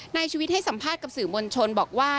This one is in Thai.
นายชุวิตให้สัมภาษณ์กับสื่อมวลชนบอกว่า